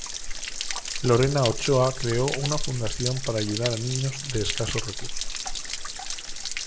Lorena Ochoa creó una fundación para ayudar a niños de escasos recursos.